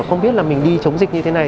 không biết là mình đi chống dịch như thế này